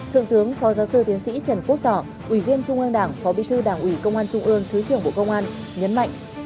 thượng tướng phó giáo sư tiến sĩ trần quốc tỏ ủy viên trung ương đảng phó bí thư đảng ủy công an trung ương thứ trưởng bộ công an nhấn mạnh